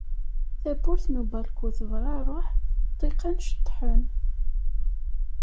Tawwurt n ubalku tebrareḥ, ṭṭiqan ceṭṭḥen.